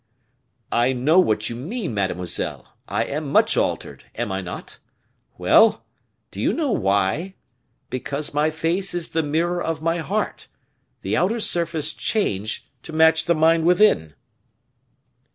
"I know what you mean, mademoiselle; I am much altered, am I not? Well! Do you know why? Because my face is the mirror of my heart, the outer surface changed to match the mind within."